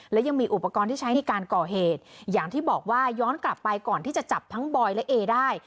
และยังมีอุปกรณ์ที่ใช้ในการก่อเหตุอย่างที่บอกว่าย้อนกลับไปก่อนที่จะจับทั้งบอยและเอได้